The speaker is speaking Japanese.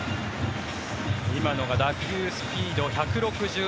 今のが打球スピード１６７ｋｍ。